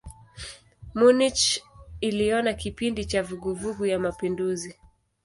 Munich iliona kipindi cha vuguvugu ya mapinduzi.